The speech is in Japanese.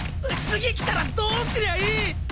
次来たらどうすりゃいい！？